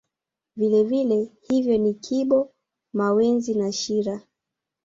vilele hivyo ni kibo mawenzi na shira